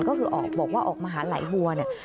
ก็คือออกบอกว่าออกมาหาไหลวัวเนี่ย